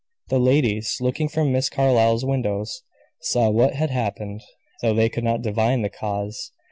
The ladies looking from Miss Carlyle's windows saw what had happened, though they could not divine the cause.